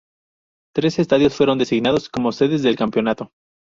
Tres estadios fueron designados como sedes del campeonato.